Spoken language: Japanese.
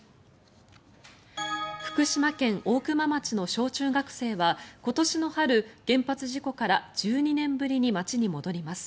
福島県大熊町の小中学生は今年の春、原発事故から１２年ぶりに町に戻ります。